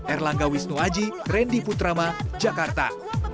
erlangga wisnuaji rendy putrama jakarta